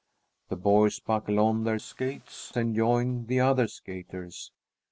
The boys buckle on their skates and join the other skaters.